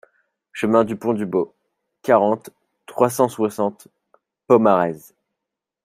Chemin du Pont du Bos, quarante, trois cent soixante Pomarez